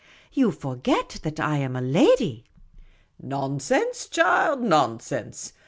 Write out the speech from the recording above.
You forget that I am a lady." " Nonsense, child, nonsense !